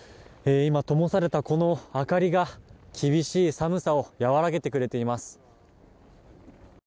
今、ともされたこの明かりが厳しい寒さをやわらげてくれています。